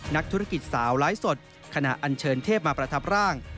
นักธุรกิจสาวไลฟ์สดขณะอันเชิญเทพมาประทับร่าง